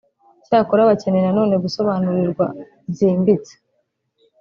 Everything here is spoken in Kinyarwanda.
Cyakora bakeneye nanone gusobanururirwa byimbitse